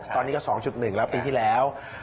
ตอนนี้ก็๒๑แล้วปีที่แล้ว